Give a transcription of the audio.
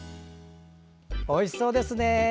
おいしそうですね。